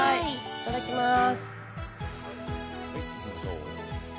いただきます。